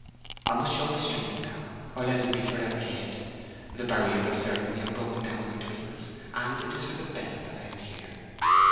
I must show my strength now, or let it be for ever hid. The barriers of ceremony are broken down between us, and it is for the best that I am here.'